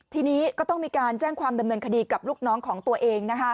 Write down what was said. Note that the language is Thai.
ทีนี้ก็ต้องมีการแจ้งความดำเนินคดีกับลูกน้องของตัวเอง